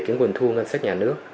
nguồn thu ngân sách nhà nước